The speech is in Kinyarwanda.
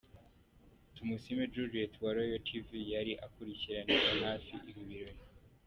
Tumusiime Juliet wa Royal Tv yari akurikiraniye hafi ibi birori.